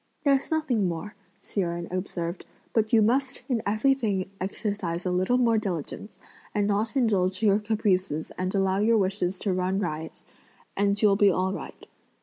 "There's nothing more," Hsi Jen observed; "but you must in everything exercise a little more diligence, and not indulge your caprices and allow your wishes to run riot, and you'll be all right.